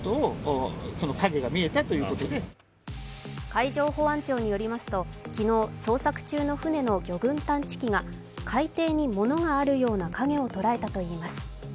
海上保安庁によりますと昨日、捜索中の船の魚群探知機が海底に物があるような影を捉えたといいます。